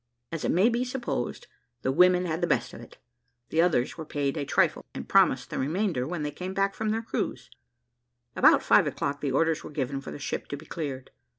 As it may be supposed, the women had the best of it; the others were paid a trifle, and promised the remainder when they came back from their cruise. About five o'clock, the orders were given for the ship to be cleared.